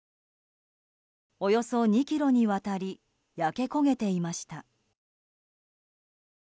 およそ２ｋｍにわたり焼け焦げていました。